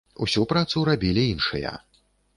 Усю працу рабілі іншыя.